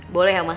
boleh ya mas